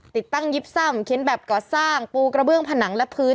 ติดตั้งยิบซ่ำเขียนแบบก่อสร้างปูกระเบื้องผนังและพื้น